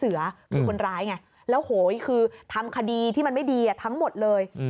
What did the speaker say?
คือคนร้ายไงแล้วโหยคือทำคดีที่มันไม่ดีทั้งหมดเลย